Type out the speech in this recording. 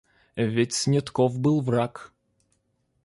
Ведь Снетков был враг.